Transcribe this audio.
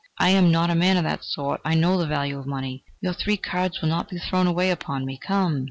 I am not a man of that sort; I know the value of money. Your three cards will not be thrown away upon me. Come!"...